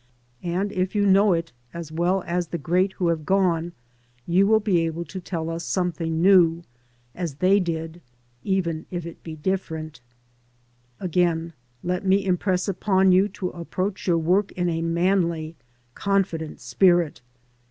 And if you know it as well as the great who have gone, you will be able to tell us some thing new, as they did, even if it be different Again, let me impress upon you to approach your work in a manly, confident spirit.